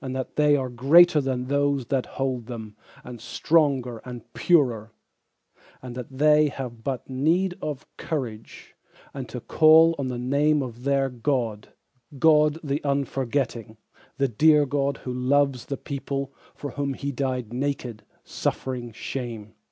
That they are greater than those that hold them And stronger and purer, That they have but need of courage, and to call on the name of their God, God the unforgetting, the dear God who loves the people For whom he died naked, suffering shame.